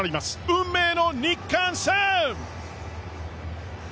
運命の日韓戦！